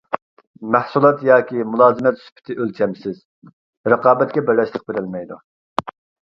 مەھسۇلات ياكى مۇلازىمەت سۈپىتى ئۆلچەمسىز، رىقابەتكە بەرداشلىق بېرەلمەيدۇ.